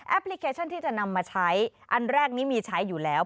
พลิเคชันที่จะนำมาใช้อันแรกนี้มีใช้อยู่แล้ว